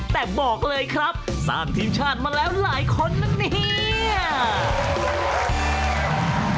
แต่บอกเลยครับสร้างทีมชาติมาแล้วหลายคนนะเนี่ย